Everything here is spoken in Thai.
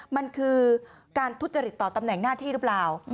มันคือการทุจริตต่อตำแหน่งหน้าที่หรือเปล่า